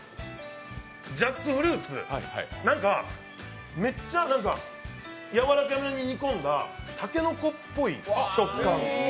ジャックフルーツ、めっちゃやわらかめに煮込んだ竹の子っぽい食感。